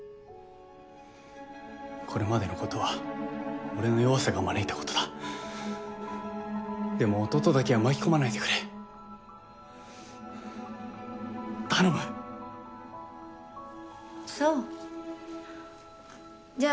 これまでのことは俺の弱さが招いたことだでも弟だけは巻き込まないでくれ頼むそうじゃあ